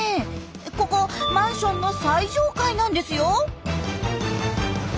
ここマンションの最上階なんですよ。